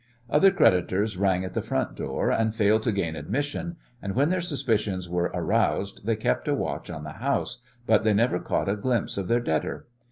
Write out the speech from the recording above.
Other creditors rang at the front door, and failed to gain admission, and when their suspicions were aroused they kept a watch on the house, but they never caught a glimpse of their debtor.